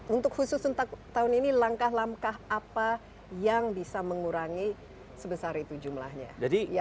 untuk khusus untuk tahun ini langkah langkah apa yang bisa mengurangi sebesar itu jumlahnya